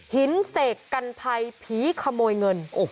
เสกกันภัยผีขโมยเงิน